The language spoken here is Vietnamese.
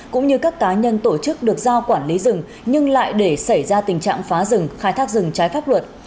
cũng như các cá nhân tổ chức được giao quản lý rừng nhưng lại để xảy ra tình trạng phá rừng khai thác rừng trái pháp luật